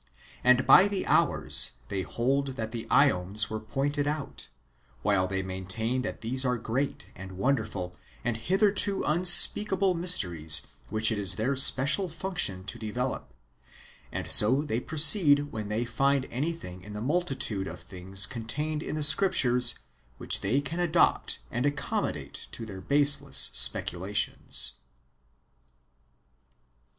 And by the hours, they hold that the y'Eons were pointed out ; while they maintain that these are great, and wonderful, and hitherto unspeakable mysteries which it is their special function to develop ; and so they proceed when they find anything in the multitude ' of things contained in the Scrip tures which they can adopt and accommodate to their baseless speculations.